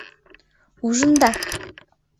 — Ужында?